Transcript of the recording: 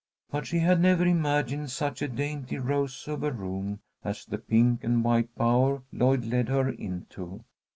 But she had never imagined such a dainty rose of a room as the pink and white bower Lloyd led her into.